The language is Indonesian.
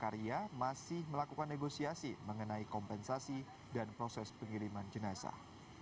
karya masih melakukan negosiasi mengenai kompensasi dan proses pengiriman jenazah